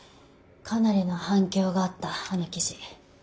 かなりの反響があったあの記事」。